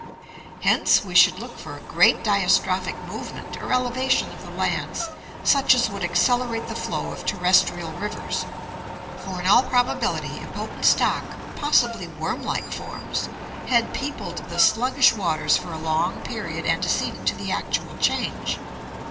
Hence we should look for a great diastrophic movement or elevation of the lands such as would accelerate the flow of terrestrial rivers, for in all probability a potent stock, possibly worm like forms, had peopled the sluggish waters for a long period antecedent to the actual change.